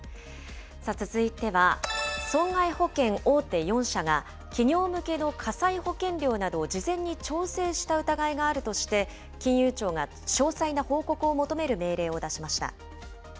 続いては、損害保険大手４社が、企業向けの火災保険料などを事前に調整した疑いがあるとして、金融庁が詳細な報告を求める命令を出しました。